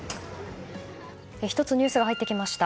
１つニュースが入ってきました。